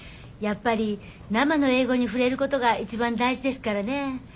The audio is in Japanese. やっぱり生の英語に触れることが一番大事ですからね。